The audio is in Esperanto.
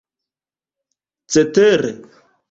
cetere